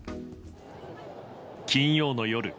金曜の夜。